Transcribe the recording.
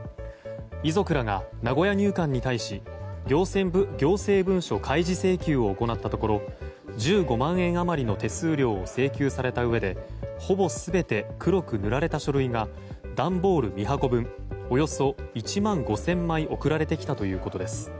遺族らが、名古屋入管に対し行政文書開示請求を行ったところ１５万円あまりの手数料を請求されたうえでほぼ全て黒く塗られた書類が段ボール２箱分およそ１万５０００枚送られてきたということです。